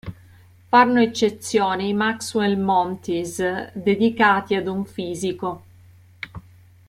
Fanno eccezione i Maxwell Montes, dedicati ad un fisico.